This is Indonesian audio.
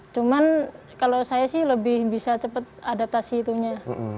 cuman kalau saya sih lebih bisa cepat adaptasi itunya